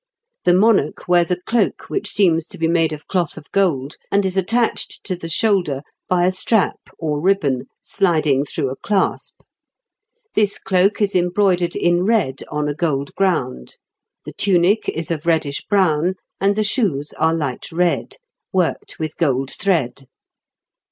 The monarch wears a cloak which seems to be made of cloth of gold, and is attached to the shoulder by a strap or ribbon sliding through a clasp; this cloak is embroidered in red, on a gold ground; the tunic is of reddish brown, and the shoes are light red, worked with gold thread.